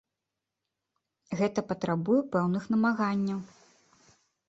Гэта патрабуе пэўных намаганняў.